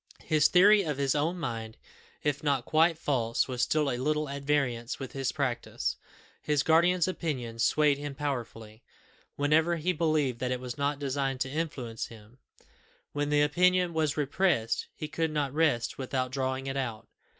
His theory of his own mind, if not quite false, was still a little at variance with his practice. His guardian's opinion swayed him powerfully, whenever he believed that it was not designed to influence him; when the opinion was repressed, he could not rest without drawing it out.